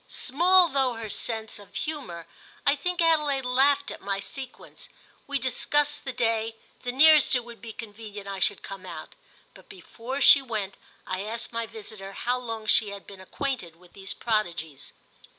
Small though her sense of humour, I think Adelaide laughed at my sequence. We discussed the day, the nearest it would be convenient I should come out; but before she went I asked my visitor how long she had been acquainted with these prodigies.